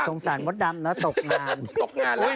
โอ้โฮยสงสารมดดำนะตกงานตกงานละ